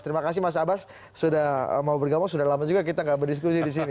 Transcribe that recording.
terima kasih mas abbas sudah mau bergabung sudah lama juga kita gak berdiskusi di sini